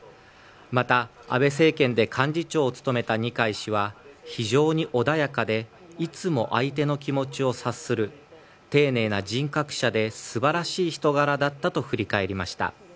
また、安倍政権で幹事長を務めた二階氏は非常に穏やかでいつも相手の気持ちを察する丁寧な人格者で素晴らしい人柄だったと振り返りました。